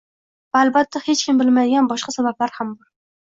Va albatta hech kim bilmaydigan boshqa sabablar ham bor